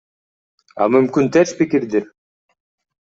А мүмкүн терс пикирдир?